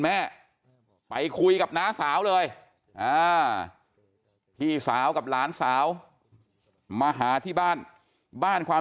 แม่ไปคุยกับน้าสาวเลยพี่สาวกับหลานสาวมาหาที่บ้านบ้านความ